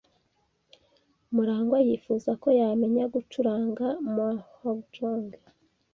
Murangwa yifuza ko yamenya gucuranga mahjong.